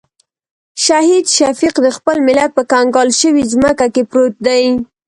شهید شفیق د خپل ملت په کنګال شوې ځمکه کې پروت دی.